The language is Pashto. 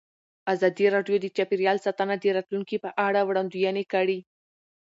ازادي راډیو د چاپیریال ساتنه د راتلونکې په اړه وړاندوینې کړې.